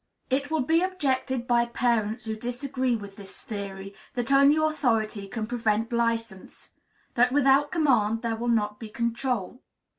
It will be objected by parents who disagree with this theory that only authority can prevent license; that without command there will not be control.